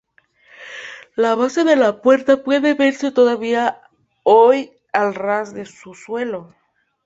La base de la puerta puede verse todavía hoy al ras del suelo.